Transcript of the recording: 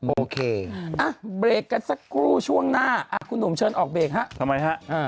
โอเคเบรกกันสักครู่ช่วงหน้าคุณหนุ่มเชิญออกเบรกฮะทำไมฮะ